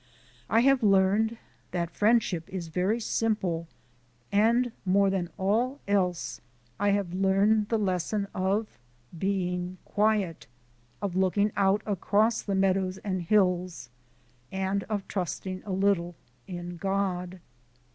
I have learned that friendship is very simple, and, more than all else, I have learned the lesson of being quiet, of looking out across the meadows and hills, and of trusting a little in God.